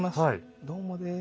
どうもです。